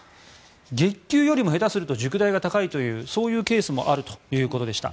月給よりも下手すると塾代が高いというケースもあるということでした。